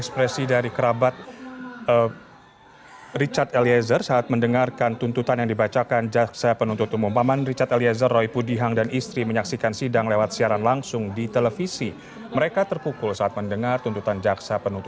pembacaan terdakwa kasus pembunuhan brigadir yosua richard eliezer menangis mendengar jaksa menutut eliezer dengan hukuman dua belas tahun